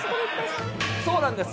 そうなんです。